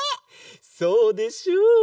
そうでしょう？